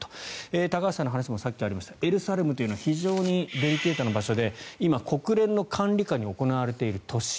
高橋さんの話もさっきありましたエルサレムというのは非常にデリケートな場所で今、国連の管理下に置かれている都市。